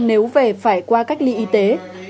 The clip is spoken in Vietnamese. nếu về phải qua cách ly y tế